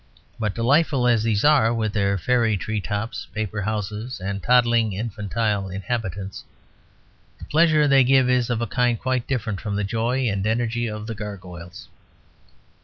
But delightful as these are, with their fairy tree tops, paper houses, and toddling, infantile inhabitants, the pleasure they give is of a kind quite different from the joy and energy of the gargoyles.